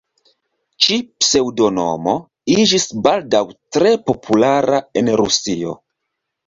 Ĉi-pseŭdonomo iĝis baldaŭ tre populara en Rusio.